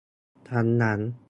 ทั้งนั้น